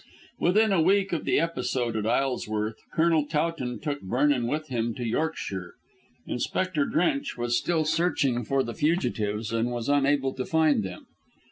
Within a week of the episode at Isleworth Colonel Towton took Vernon with him to Yorkshire. Inspector Drench was still searching for the fugitives and was still unable to find them.